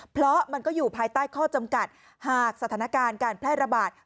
เพราะมันก็อยู่ภายใต้ข้อจำกัดหากสถานการณ์การแพร่ระบาด